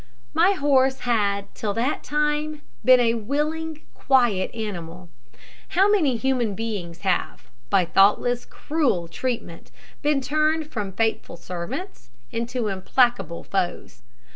My horse had till that time been a willing, quiet animal. How many human beings have, by thoughtless, cruel treatment, been turned from faithful servants into implacable foes.